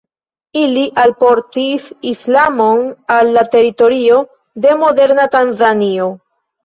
Ili alportis islamon al la teritorio de moderna Tanzanio.